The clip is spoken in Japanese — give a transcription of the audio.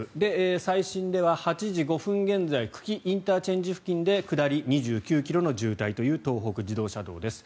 最新では８時５分現在久喜ＩＣ付近で下り、２９ｋｍの渋滞という東北自動車道です。